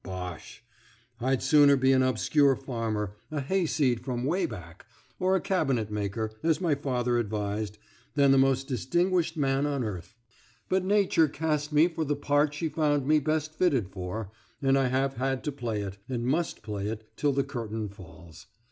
Bosh! I'd sooner be an obscure farmer, a hayseed from Wayback, or a cabinetmaker, as my father advised, than the most distinguished man on earth. But Nature cast me for the part she found me best fitted for, and I have had to play it, and must play it till the curtain falls.